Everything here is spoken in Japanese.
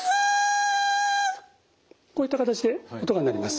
こういった形で音が鳴ります。